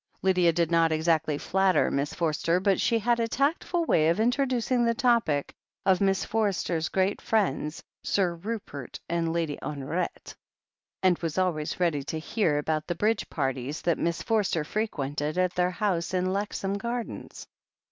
Lydia did not exactly flatter Miss Forster, but she had a tactful way of introducing the topic of Miss Forster's great friends, Sir Rupert and Lady Honoret, and was always ready to hear about the Bridge parties that Miss Forster frequented at their house in Lexham Gardens.